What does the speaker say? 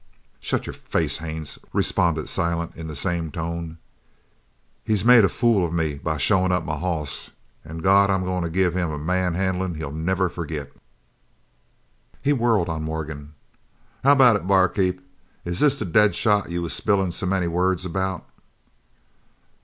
"Shut your face, Haines," responded Silent, in the same tone. "He's made a fool of me by showin' up my hoss, an' by God I'm goin' to give him a man handlin' he'll never forgit." He whirled on Morgan. "How about it, bar keep, is this the dead shot you was spillin' so many words about?"